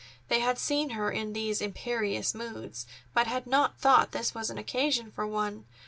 They had seen her in these imperious moods, but had not thought this an occasion for one.